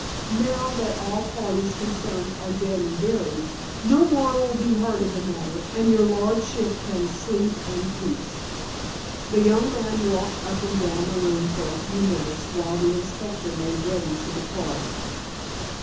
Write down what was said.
Now that all parties concerned are dead and buried, no more will be heard of the matter, and your lordship can sleep in peace." The young man walked up and down the room for a few minutes while the inspector made ready to depart.